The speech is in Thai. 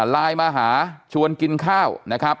ไลน์มาหาชวนกินข้าวนะครับ